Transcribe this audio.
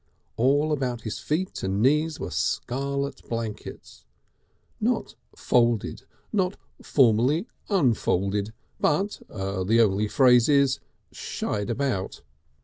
All about his feet and knees were scarlet blankets, not folded, not formally unfolded, but the only phrase is shied about.